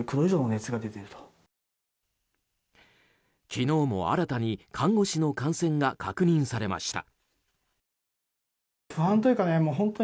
昨日も新たに看護師の感染が確認されました。